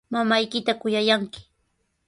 Mamaykita kuyallanki.